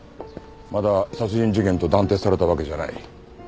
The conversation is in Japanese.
まだ殺人事件と断定されたわけじゃない。